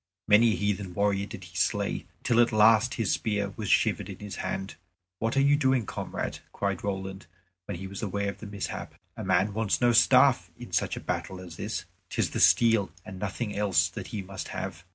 Many a heathen warrior did he slay, till at last his spear was shivered in his hand. "What are you doing, comrade?" cried Roland, when he was aware of the mishap. "A man wants no staff in such a battle as this. 'Tis the steel and nothing else that he must have.